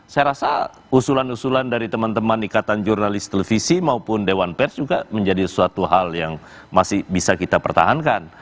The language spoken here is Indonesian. saya rasa usulan usulan dari teman teman ikatan jurnalis televisi maupun dewan pers juga menjadi suatu hal yang masih bisa kita pertahankan